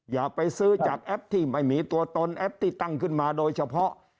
อย่าไปซื้อจากแอปที่ไม่มีตัวตนแอปที่ตั้งขึ้นมาโดยเฉพาะ